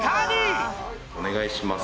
お願いします。